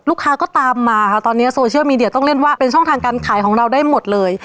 ลูกค้าก็ตามมาค่ะตอนนี้โซเชียลมีเดียต้องเล่นว่าเป็นช่องทางการขายของเราได้หมดเลย